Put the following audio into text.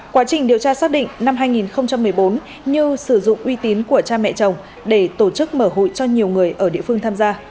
quá trình điều tra xác định năm hai nghìn một mươi bốn như sử dụng uy tín của cha mẹ chồng để tổ chức mở hội cho nhiều người ở địa phương tham gia